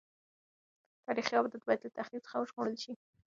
تاریخي ابدات باید له تخریب څخه وژغورل شي.